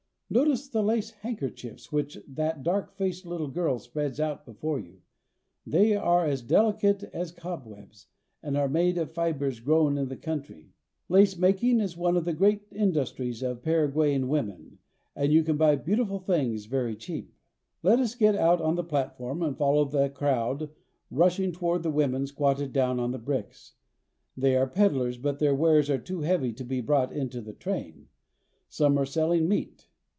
Notice the lace handkerchiefs which that dark faced httle girl spreads out before you. They are as delicate as cob webs, and are made of fibers grown in the country. Lace making is one of the great industries of Paraguayan , women, and you can buy beautiful things very cheap. i Let us get out on the platform and follow the crowd rushing toward the women squatted down on the bricks. They are peddlers, but their wares are too heavy to be brought into the train. Some are selling meat.